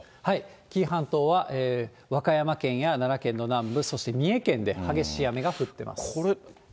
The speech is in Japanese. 紀伊半島は、和歌山県や奈良県の南部、そして三重県で激しい雨が降ってます。